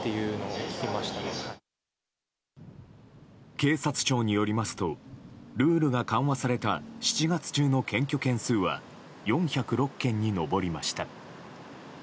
警察庁によりますとルールが緩和された７月中の検挙件数は４０６件に上りました。